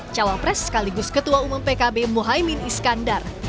cawapres sekaligus ketua umum pkb mohaimin iskandar